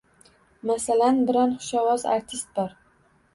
Masalan, biron xushovoz artist bor.